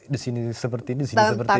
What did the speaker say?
di sini seperti ini di sini seperti itu